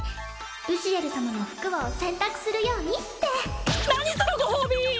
ルシエル様の服を洗濯するようにって何そのご褒美！